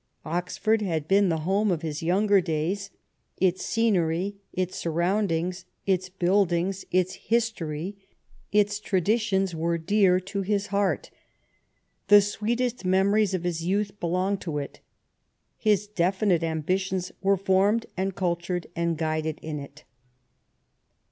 Oxford had been the home of his younger days. Its scenery, its surroundings, its buildings, its his tory, its tradi tions, were dear to his heart ; the sweetest memo ries of his youth belonged to it ; his definite am bitions were formed and cultured and guided in it.